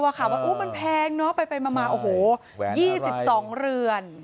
ว่ามันแพงน์ไปมา๒๒เดือน